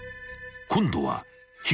［今度は］